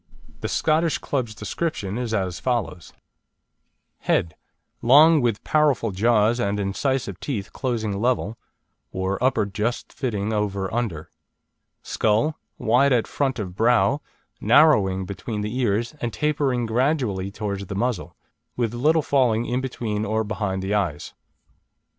The Scottish Club's description is as follows: HEAD Long, with powerful jaws and incisive teeth closing level, or upper just fitting over under. Skull: wide at front of brow, narrowing between the ears, and tapering gradually towards the muzzle, with little falling in between or behind the eyes.